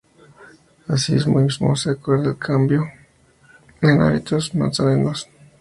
Asimismo, se acuerda el cambio en los hábitos de los nazarenos.